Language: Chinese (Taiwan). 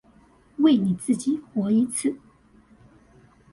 為你自己活一次